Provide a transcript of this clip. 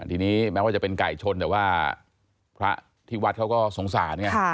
ทีนี้แม้ว่าจะเป็นไก่ชนแต่ว่าพระที่วัดเขาก็สงสารไง